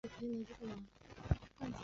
南朝宋的九卿制度沿袭晋制。